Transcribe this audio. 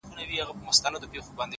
له غمه هېر يم د بلا په حافظه کي نه يم’